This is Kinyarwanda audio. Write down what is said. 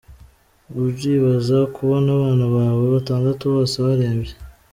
Uribaza kubona abana bawe batandatu bose barembye?”.